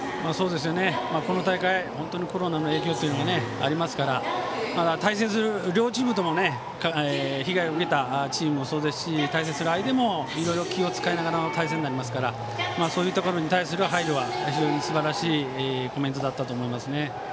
この大会、本当にコロナの影響というのがありますから対戦する両チームとも被害を受けたチームもそうですし対戦する相手もいろいろ気を使いながらの対戦になりますからそういうところに対する配慮はすばらしいコメントだったと思いますね。